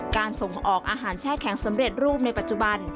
ส่งออกอาหารแช่แข็งสำเร็จรูปในปัจจุบัน